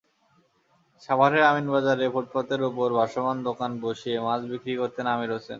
সাভারের আমিনবাজারে ফুটপাতের ওপর ভাসমান দোকান বসিয়ে মাছ বিক্রি করতেন আমির হোসেন।